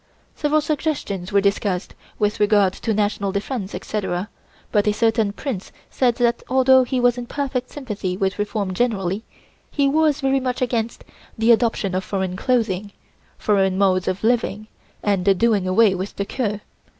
Several suggestions were discussed with regard to national defense, etc., but a certain Prince said that although he was in perfect sympathy with reform generally, he was very much against the adoption of foreign clothing, foreign modes of living, and the doing away with the queue.